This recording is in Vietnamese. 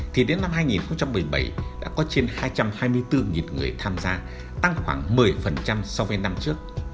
thì đến năm hai nghìn một mươi bảy đã có trên hai trăm hai mươi bốn người tham gia tăng khoảng một mươi so với năm trước